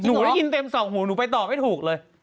หนูได้ยินเต็มสองหูหนูไปต่อไม่ถูกเลย